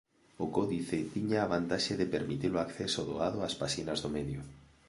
O códice tiña a vantaxe de permitir o acceso doado ás páxinas do medio.